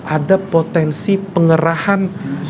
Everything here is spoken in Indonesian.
ada potensi pengerahan